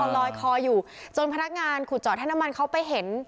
ลอยคออยู่จนพนักงานขุดเจาะให้น้ำมันเขาไปเห็น